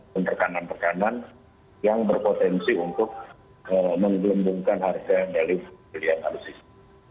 penerkanan penerkanan yang berpotensi untuk menggelombungkan harga dari pembelian alusista